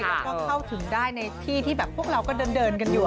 แล้วก็เข้าถึงได้ในที่ที่แบบพวกเราก็เดินกันอยู่